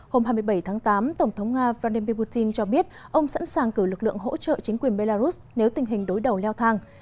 hôm hai mươi bảy tháng tám tổng thống nga vladimir putin cho biết ông sẵn sàng cử lực lượng hỗ trợ chính quyền belarus nếu tình hình đối đầu leo thang